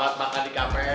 selamat makan di kafe